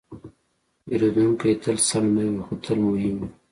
پیرودونکی تل سم نه وي، خو تل مهم وي.